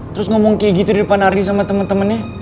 terus ngomong kayak gitu di depan ardi sama temen temennya